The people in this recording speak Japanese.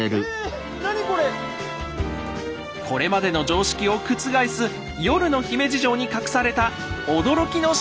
これまでの常識を覆す夜の姫路城に隠された驚きの真実とは？